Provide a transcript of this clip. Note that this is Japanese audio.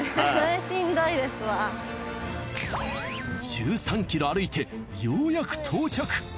１３ｋｍ歩いてようやく到着。